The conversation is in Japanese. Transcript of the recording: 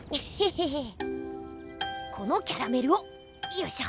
このキャラメルをよいしょ。